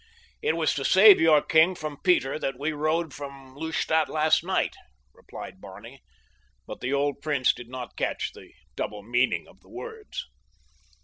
"It was to save your king from Peter that we rode from Lustadt last night," replied Barney, but the old prince did not catch the double meaning of the words.